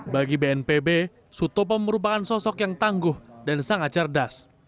bagi bnpb sutopo merupakan sosok yang tangguh dan sangat cerdas